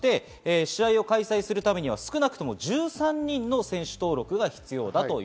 試合を開催するためには少なくとも１３人の選手登録が必要です。